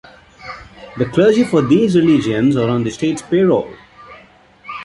The clergy for these religions are on the state's payroll.